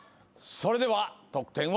それでは得点を。